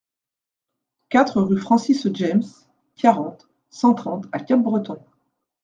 quatre rue Francis James, quarante, cent trente à Capbreton